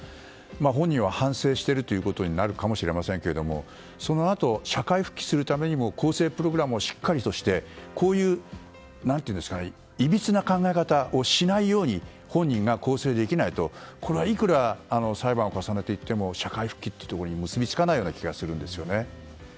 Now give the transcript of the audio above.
本人は反省しているということになるかもしれませんがそのあと、社会復帰するためにも更生プログラムをしっかりとしてこういういびつな考え方をしないように本人が更生できないとこれは、いくら裁判を重ねていっても社会復帰に結びつかないような気がするんですよね。